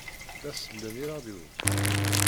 La sellen i ṛṛadyu.